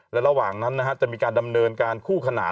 และระหว่างนั้นนะฮะจะมีการดำเนินการคู่ขนานนะครับ